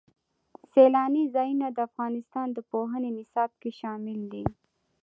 سیلانی ځایونه د افغانستان د پوهنې نصاب کې شامل دي.